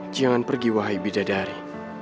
jangan pergi wahai bidadari